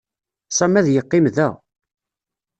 Sami ad yeqqim da.